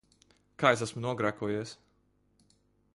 Kā esmu nogrēkojies?